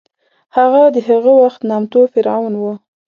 هغه د هغه وخت نامتو فرعون و.